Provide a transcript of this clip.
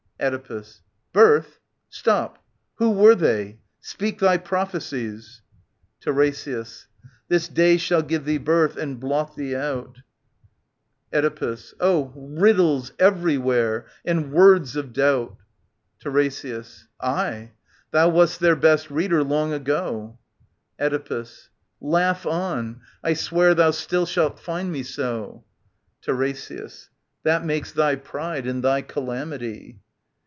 Oedipus. Birth ?... Stop ! Who were they ? Speak thy prophecies. TiRESIAS. This day shall give thee birth and blot thee out. 25 SOPHOCLES TT.439 4SS Oedipus. Oh, riddles everywhere and words of doubt I TiRESIAS. Aye. Thou wast their best reader long ago. Oedipus. Laugh on. I swear thou still shalt find me so, TiRESIAS. That makes thy pride and thy calamity.